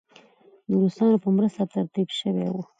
د روسانو په مرسته ترتیب شوې وه.